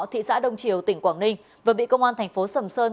thị xã đông triều tỉnh quảng ninh vừa bị công an thành phố sầm sơn